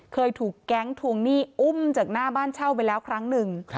เคยถูกแก๊งทวงหนี้อุ้มจากหน้าบ้านเช่าไปแล้วครั้งหนึ่ง